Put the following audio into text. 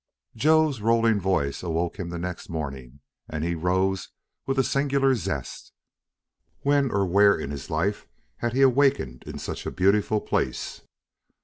........... Joe's rolling voice awoke him next morning and he rose with a singular zest. When or where in his life had he awakened in such a beautiful place?